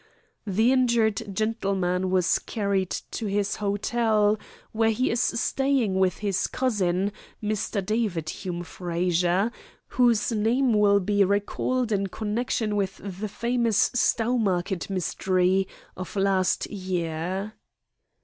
"The injured gentleman was carried to his hotel, where he is staying with his cousin, Mr. David Hume Frazer, whose name will be recalled in connection with the famous 'Stowmarket Mystery' of last year."